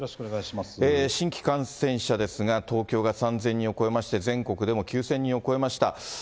新規感染者ですが、東京が３０００人を超えまして、全国でも９０００人を超えました。